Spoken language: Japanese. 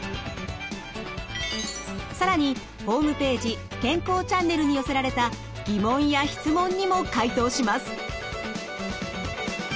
更にホームページ「健康チャンネル」に寄せられた疑問や質問にも回答します。